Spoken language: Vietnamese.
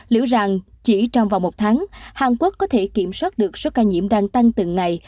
liệu rằng chỉ trong vòng một tháng hàn quốc có thể kiểm soát được số ca nhiễm đang tăng từng ngày